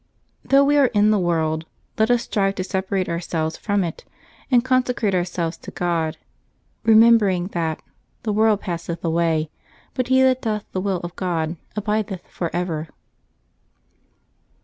— Though we are in the world, let ns strive to separate ourselves from it and consecrate ourselves to God, remembering that "the world passeth away, but he that doth the will of God abideth forever."